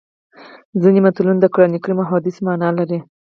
ځینې متلونه د قرانکریم او احادیثو مانا لري